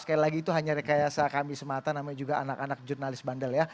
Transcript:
sekali lagi itu hanya rekayasa kami semata namanya juga anak anak jurnalis bandel ya